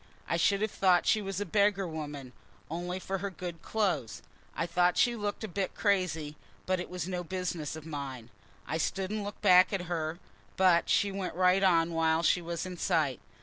I should have thought she was a beggar woman, only for her good clothes. I thought she looked a bit crazy, but it was no business of mine. I stood and looked back after her, but she went right on while she was in sight.